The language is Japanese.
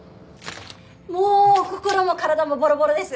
もう心も体もボロボロです。